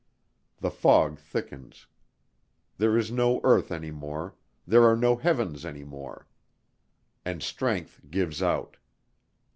The fog thickens. There is no earth any more, there are no heavens any more. And strength gives out....